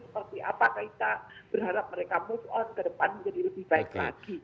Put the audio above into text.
seperti apakah kita berharap mereka move on ke depan menjadi lebih baik lagi